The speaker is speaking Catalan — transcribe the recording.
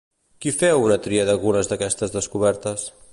Qui feu un tria d'algunes d'aquestes descobertes?